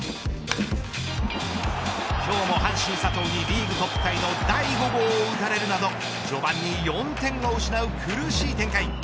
今日も阪神佐藤にリーグトップタイの第５号を打たれるなど序盤に４点を失う苦しい展開。